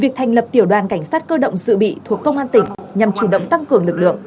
việc thành lập tiểu đoàn cảnh sát cơ động dự bị thuộc công an tỉnh nhằm chủ động tăng cường lực lượng